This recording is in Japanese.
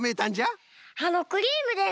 あのクリームです。